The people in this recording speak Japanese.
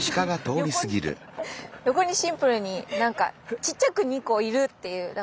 横にシンプルに何かちっちゃく２個いるっていう。